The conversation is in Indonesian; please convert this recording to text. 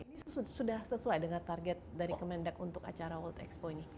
ini sudah sesuai dengan target dari kemendak untuk acara world expo ini